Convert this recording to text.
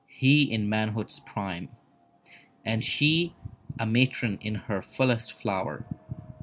He in manhood's prime And she a matron in her fullest flower.